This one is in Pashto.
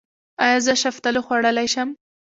ایا زه شفتالو خوړلی شم؟